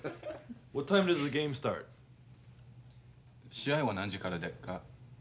試合は何時からでっか？